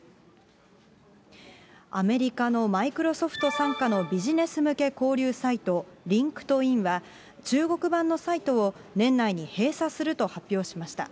アメリカのマイクロソフト傘下のビジネス向け交流サイト、リンクトインは、中国版のサイトを年内に閉鎖すると発表しました。